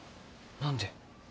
何で？